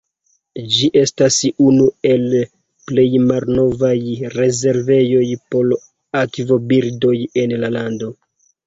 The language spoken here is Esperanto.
Ĝi estas unu el plej malnovaj rezervejoj por akvobirdoj en la lando.